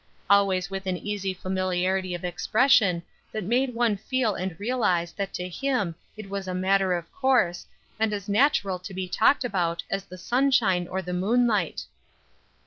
Always with an easy familiarity of expression that made one feel and realize that to him it was a matter of course, and as natural to be talked about, as the sunshine or the moonlight.